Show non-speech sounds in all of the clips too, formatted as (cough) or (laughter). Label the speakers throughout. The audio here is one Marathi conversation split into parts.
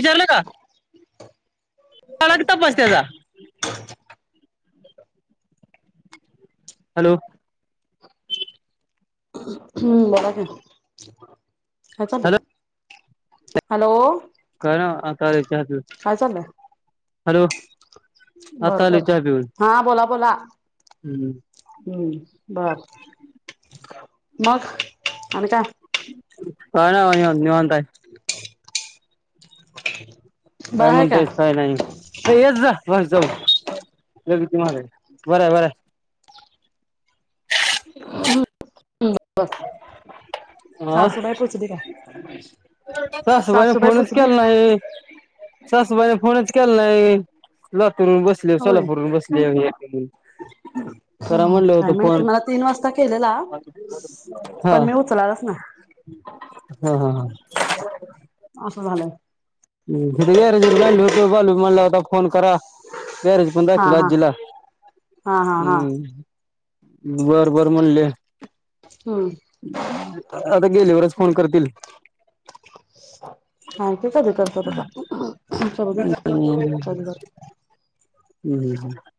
Speaker 1: विचारलं का (unintelligible) तपास (unintelligible) हॅलो.
Speaker 2: हम्म बोला की काय
Speaker 1: हॅलो
Speaker 2: चाललंय, हॅलो.
Speaker 1: (unintelligible)
Speaker 2: काय चाललंय?
Speaker 1: हॅलो
Speaker 2: बर
Speaker 1: आता आलो
Speaker 2: बर,
Speaker 1: चहा पिऊन
Speaker 2: हा बोला बोला.
Speaker 1: हम्म.
Speaker 2: हम्म, बर मग आणि काय?
Speaker 1: काय निय बाई निवांत हाय.
Speaker 2: (inaudible)
Speaker 1: काय
Speaker 2: बरं आहे का
Speaker 1: म्हणतयस काय नाही येस जा. बस जाऊ लघ तुमला बरं हाय बर हाय.
Speaker 2: (inaudible) सासूबाई पोचली काय?
Speaker 1: सासुबाईन
Speaker 2: सासूबाई
Speaker 1: फोनच
Speaker 2: पोचली
Speaker 1: केला नाही. सासूबाईने फोनच केला नाही. लातूरहुन बसल्या
Speaker 2: होय
Speaker 1: सोलापूरहुन बसल्या. (unintelligible) करा म्हनल
Speaker 2: काय
Speaker 1: होत
Speaker 2: माहिती
Speaker 1: फोन.
Speaker 2: मला तीन वाजता केलेला
Speaker 1: हा
Speaker 2: पण मी उचलालाच नाही
Speaker 1: हा हा हा
Speaker 2: असं झालेय.
Speaker 1: तीथ गॅरेज वर बालु होता. बालू म्हणाला होता फोन करा. गॅरेजच पण
Speaker 2: हा
Speaker 1: दाखवील
Speaker 2: हा
Speaker 1: आजीला.
Speaker 2: हा हा हा
Speaker 1: हम्म बर बर म्हणले.
Speaker 2: हम्म
Speaker 1: आता गेल्यावरच फोन करतील.
Speaker 2: (unintelligible)
Speaker 1: हम्म हम्म हम्म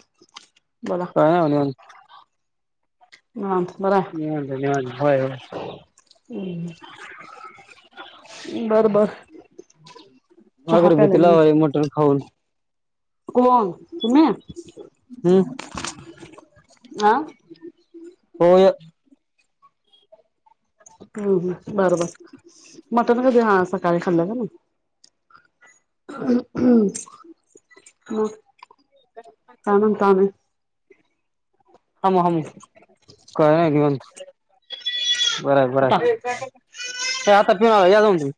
Speaker 2: (inaudible)
Speaker 1: काय नाय हो निवांत.
Speaker 2: (unintelligible)
Speaker 1: निवांत हाय निवांत. होय होय.
Speaker 2: हम बर बर. चहा प्यायलाय
Speaker 1: अगरबत्ती
Speaker 2: मी
Speaker 1: लावायली मटण खाऊन.
Speaker 2: कोण तुम्ही?
Speaker 1: हम्म
Speaker 2: आ
Speaker 1: होय.
Speaker 2: हम हम बरोबर मटन कधी हा सकाळी खाल्लं का मी. (unintelligible) ताणून ताणून
Speaker 1: हामु हामु, काय नाही निवांत. बर आहे. बर आहे. ते आता पिऊन आलोय या जाऊन तुम्ही.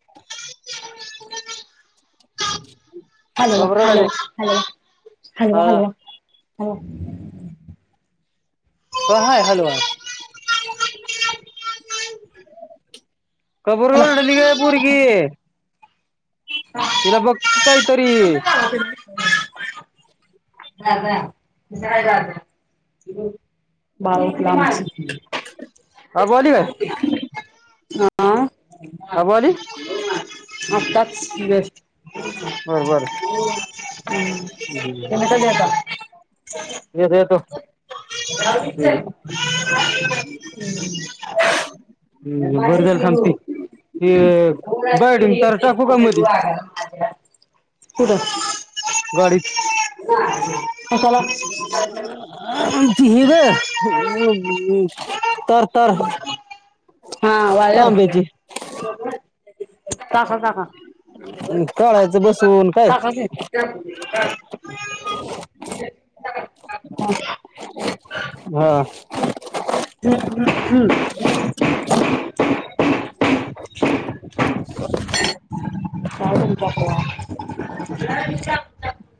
Speaker 2: हॅलो
Speaker 1: का बर रडायले
Speaker 2: हॅलो हॅलो हॅलो
Speaker 1: हा
Speaker 2: हॅलो (unintelligible)
Speaker 1: कोण हाय हॅलो हाय. का बरं
Speaker 2: चला
Speaker 1: ओरडली ग पोरगी. इला बघकी कायतरी.
Speaker 2: (unintelligible) (unintelligible)
Speaker 1: अबू अली काय?
Speaker 2: हा
Speaker 1: आबू आली
Speaker 2: आत्ताच जस्ट.
Speaker 1: बर बर हम्म्
Speaker 2: (unintelligible)
Speaker 1: येतो येतो
Speaker 2: (unintelligible)
Speaker 1: हम्म बर
Speaker 2: माझे
Speaker 1: झालं
Speaker 2: श्री
Speaker 1: थांब ती
Speaker 2: गूरु
Speaker 1: ते बायडिंग तार टाकू का मधी
Speaker 2: (unintelligible)
Speaker 1: गाडीत
Speaker 2: कशाला
Speaker 1: ते हे ग तर तर (inaudible)
Speaker 2: हा वायर काका काका
Speaker 1: काढायचं बसून काय
Speaker 2: काका
Speaker 1: हा
Speaker 2: (unintelligible) हम्म हम्म हम्म पाळगून तकवा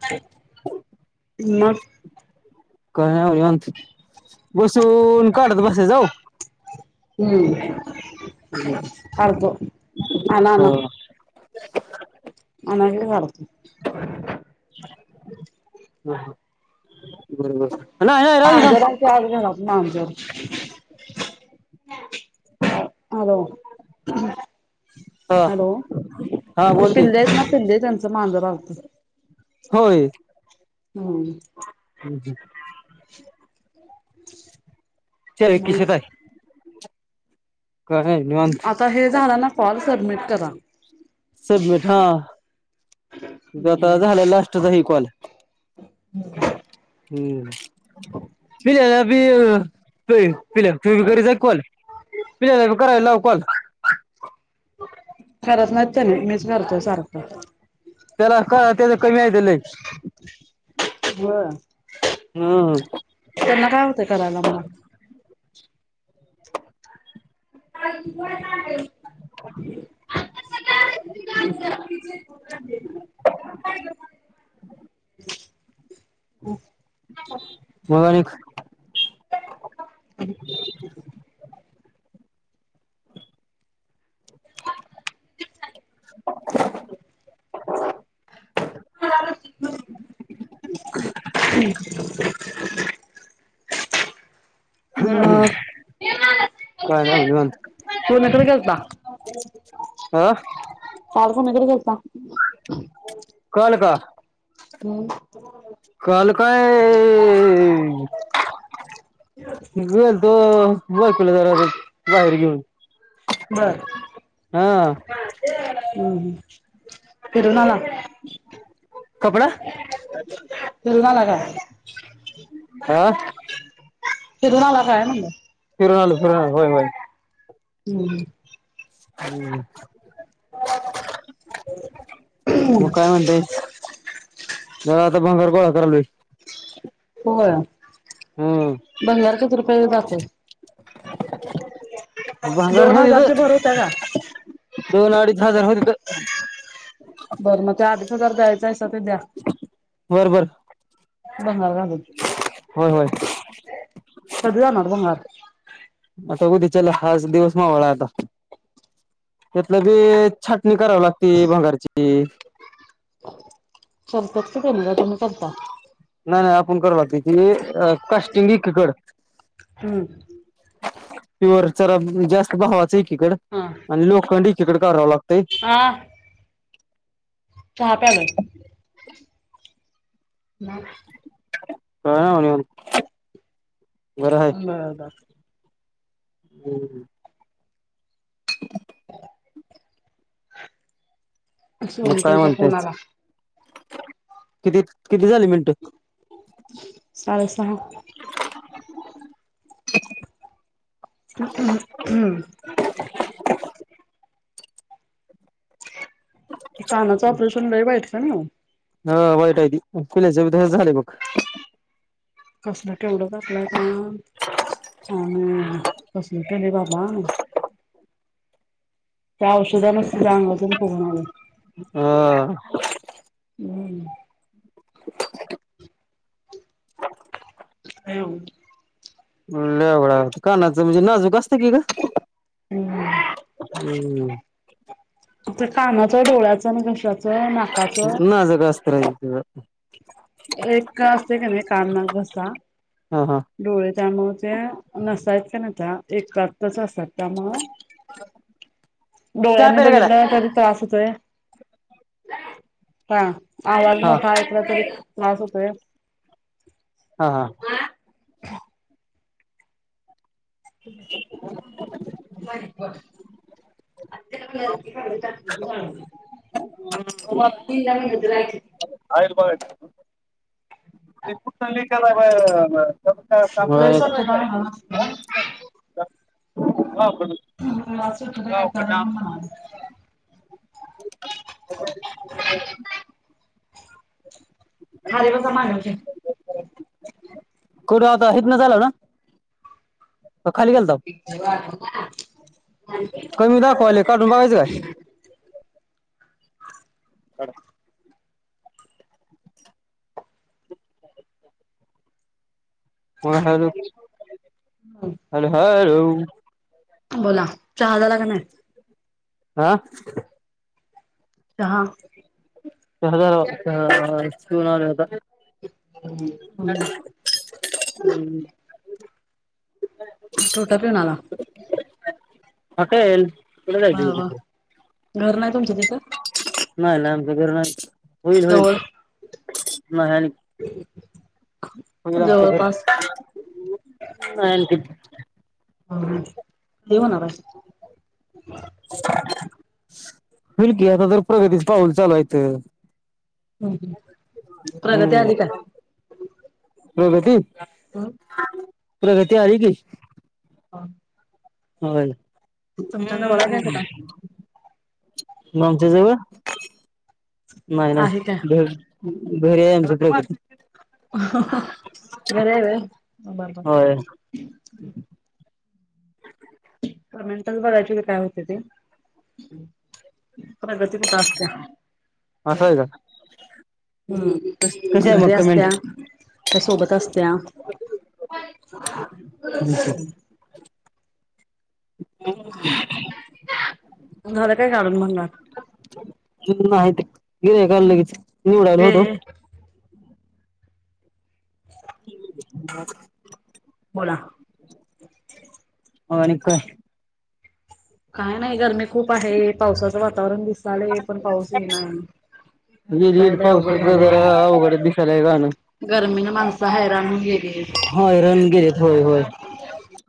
Speaker 2: ह मग.
Speaker 1: काय बसून काढत बस जाऊ
Speaker 2: हम् स्कार्फ आना आना
Speaker 1: (unintelligible)
Speaker 2: की
Speaker 1: हा ह बरोबर नाही नाही राहू दे
Speaker 2: हम
Speaker 1: थांब
Speaker 2: जरा आग झाल आमच्यावर हालो
Speaker 1: हा
Speaker 2: हॅलो
Speaker 1: हा
Speaker 2: ते
Speaker 1: बोल की
Speaker 2: पिल्लेच ना पिल्ले त्यांच मांजर आलते
Speaker 1: होय
Speaker 2: हम्
Speaker 1: हम्म् हम्
Speaker 2: हम्
Speaker 1: च व किश तय. (unintelligible)
Speaker 2: आता हे झाल ना फॉल सबमिट करा
Speaker 1: सबमिट हा आता झाल लास्टचा हे कॉल
Speaker 2: हम्
Speaker 1: हम्म् पिकलेला बी अय पिल्या तु बि करित जाय कॉल पिल्यालाबि करायला लाव कॉल
Speaker 2: करत नाहीत त्यांनी मीच करतो सारख
Speaker 1: त्याला काय कमी हाय त्याले
Speaker 2: हा.
Speaker 1: अह
Speaker 2: ते करायला मला (unintelligible) (unintelligible)
Speaker 1: मग
Speaker 2: (unintelligible) (inaudible) हम्
Speaker 1: काय नाय निवांत
Speaker 2: कोनाकडे गेलता
Speaker 1: अ
Speaker 2: काल कोणाकडे गेलता
Speaker 1: कोण क (unintelligible)
Speaker 2: हम्म.
Speaker 1: काल काय. गल तो बायकुला जरासं बाहेर घेऊन.
Speaker 2: बर.
Speaker 1: हा.
Speaker 2: हम्म फिरून आला.
Speaker 1: कपडा.
Speaker 2: दलवा (unintelligible) लागा.
Speaker 1: आा.
Speaker 2: फिरून आला काय म्हणलं.
Speaker 1: फिरून आलो फिरून (unintelligible) होय होय
Speaker 2: हम्म (unintelligible)
Speaker 1: हम् (unintelligible) मग काय म्हणतायस जरा आता भंगार गोळा करालोय.
Speaker 2: हो
Speaker 1: हम्म
Speaker 2: बंगल्यार कती (unintelligible) रुपया जात.
Speaker 1: बंगार
Speaker 2: दोन हजारचे भर होत्या का
Speaker 1: होतेत दोन अडी द हजार होतित.
Speaker 2: बरं मग ते अडीच हजार द्यायच आहेसा ते द्या.
Speaker 1: बरबर.
Speaker 2: (unintelligible)
Speaker 1: होय होय.
Speaker 2: कध नबंगार.
Speaker 1: आता उद्याच्याला हाज दिवस मावळाय आता त्यातलं छाटणी करावी लागते भंगारची.
Speaker 2: करत्यात की त्यांनी का तुम्ही करता.
Speaker 1: नाही नाही आपण कर की तेनी कास्टिंग एकीकड
Speaker 2: हम्म
Speaker 1: प्युर चरा जास्त भावाच एकीकड
Speaker 2: हा
Speaker 1: आणि लोकखंड एकीकडे कराव लागत.
Speaker 2: (unintelligible) चहा प्यालोय.
Speaker 1: (unintelligible)
Speaker 2: (unintelligible)
Speaker 1: (unintelligible) मग काय
Speaker 2: होनतचा
Speaker 1: म्हणतायच
Speaker 2: कोणाला?
Speaker 1: किती किती झाली मिनटं.
Speaker 2: साडेसहा
Speaker 1: (unintelligible)
Speaker 2: (unintelligible) कानाचं ऑपरेशन लय वाईट का नाय.
Speaker 1: हा वाईट आहे त पल्याचे त झाले बघ.
Speaker 2: कर्स्नाट. तेवढ घलं का आणि बसून केली बाबा
Speaker 1: (unintelligible)
Speaker 2: त्या औषध नसत जाांगतून पणाला
Speaker 1: (unintelligible)
Speaker 2: हम्म.
Speaker 1: (unintelligible)
Speaker 2: येव.
Speaker 1: लवडा कानाचं म्हणजे नाजूक असतं की ग.
Speaker 2: हम्.
Speaker 1: हम्म.
Speaker 2: आपल्या कानाच डोळ्याच आणि घशाच नाकाचं.
Speaker 1: नाजूक असतं रे ते
Speaker 2: एक असते का नाही काना घसा.
Speaker 1: हा हा
Speaker 2: डोळे त्यामुळे ते नसायत का नाही त्या एकत्रच असतात. मग
Speaker 1: चहा
Speaker 2: डोळ्यांनी
Speaker 1: प्यायला गेलाय
Speaker 2: बघितलं कध त्रास होतोय. हा आवाज
Speaker 1: हा
Speaker 2: मोठा ऐकला तरी हो.
Speaker 1: हा हा.
Speaker 2: ह. (unintelligible) (unintelligible) त म हजय.
Speaker 1: बसु काला
Speaker 2: लईच वाटतंय
Speaker 1: व्हय.
Speaker 2: च म्ह (unintelligible)
Speaker 1: (unintelligible)
Speaker 2: खलील समानज. (unintelligible) (inaudible)
Speaker 1: कुठं आता हथ ना झालं ना. (inaudible) (unintelligible) का खाली गेलताव
Speaker 2: वाट. (unintelligible) (inaudible)
Speaker 1: कमी दाखवाले काढून बघायचं काय. (inaudible) का. (unintelligible) (inaudible) म्हण हॅलो-हॅलो अर ह. (unintelligible) (inaudible)
Speaker 2: बोला चहाजला का नाही. (unintelligible) (inaudible)
Speaker 1: आ. (unintelligible)
Speaker 2: जहा. (inaudible)
Speaker 1: श नाता. (unintelligible) (inaudible) (inaudible) हम्म. (inaudible)
Speaker 2: टोटा पिऊनला. (inaudible)
Speaker 1: ह का क जा
Speaker 2: बर
Speaker 1: तिथ.
Speaker 2: बर घर नाही तुमच्या तिथं,
Speaker 1: नाही लंब वैर नाही होईल होईल.
Speaker 2: जवळ
Speaker 1: नाही आहे न, (inaudible) हो आमचं घर
Speaker 2: जवळपास
Speaker 1: (inaudible) आणखी.
Speaker 2: ह क होणार. (inaudible)
Speaker 1: (unintelligible) बोल की आता तर प्रगतीच पाऊल चालूयचं
Speaker 2: (inaudible) हम् प्रगती आली का? (unintelligible)
Speaker 1: प्रगती.
Speaker 2: ' (unintelligible)
Speaker 1: प्रगती आली की.
Speaker 2: ह (unintelligible) (inaudible)
Speaker 1: हो,
Speaker 2: आहे काय कुठं?
Speaker 1: (unintelligible) (inaudible) नमच जव (inaudible)
Speaker 2: आहे काय?
Speaker 1: नाही-नाही. (unintelligible)
Speaker 2: हा हा बरे हाय वय.
Speaker 1: होय
Speaker 2: (unintelligible) पर मिनटच बघायची क काय होते ते (inaudible) प्रगती कुठ असते.
Speaker 1: ह सय का?
Speaker 2: हम्
Speaker 1: कशी आहे मग
Speaker 2: घरी
Speaker 1: कमेंट
Speaker 2: असत्या त्या सोबत असत्या (inaudible)
Speaker 1: (unintelligible) (unintelligible)
Speaker 2: काून म्हणार.
Speaker 1: त नाही गिरय का लगेच निवडायला
Speaker 2: ये
Speaker 1: होतो.
Speaker 2: ये
Speaker 1: (unintelligible) (inaudible)
Speaker 2: बोला? (inaudible)
Speaker 1: ह आणि काय?
Speaker 2: काय नाही गरमी खूप आहे. पावसाचं वातावरण दिसलंय पण पाऊस येईना.
Speaker 1: येईल
Speaker 2: काय
Speaker 1: येईल
Speaker 2: नाही अवघड
Speaker 1: पावसाच
Speaker 2: झालय
Speaker 1: जरा अवघड दिसायलय गाणं
Speaker 2: गर्मीन माणसं हैरान होवुन
Speaker 1: होय रणगिरीत होय-होय (inaudible)